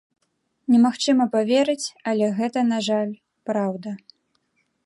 Немагчыма паверыць, але гэта, на жаль, праўда.